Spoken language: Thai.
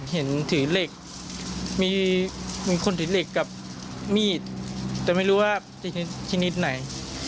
ถือเหล็กมีคนถือเหล็กกับมีดแต่ไม่รู้ว่าชนิดไหน